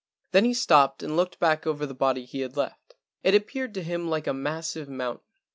Then he stopped and looked back over the body he had left. It appeared to him like a massive mountain.